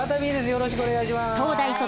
よろしくお願いします。